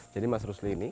jadi mas rusli ini